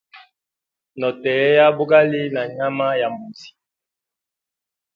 No teya bugali na nyama ya mbuzi.